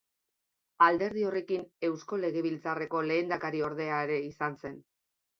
Alderdi horrekin Eusko Legebiltzarreko lehendakariordea ere izan zen.